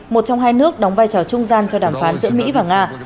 một trong hai nước đóng vai trò trung gian cho đàm phán giữa mỹ và nga